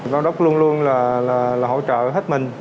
văn đốc luôn luôn là hỗ trợ hết mình